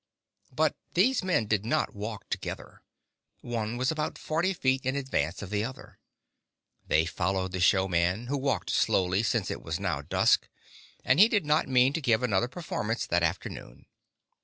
But these men did not walk together : one was about forty feet in ad vance of the other. They followed the show man, who walked slowly, since it was now dusk, and he did not mean to give another performance that afternoon.